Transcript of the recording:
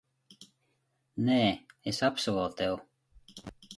Nē, es apsolu tev.